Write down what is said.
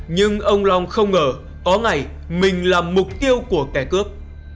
nhưng ông long không ngờ có ngày mình là mục tiêu của kẻ cướp